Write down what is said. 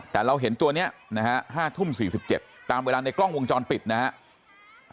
แต่เราเห็นตัวนี้นะฮะ๕ทุ่ม๔๗ตามเวลาในกล้องวงจรปิดนะฮะ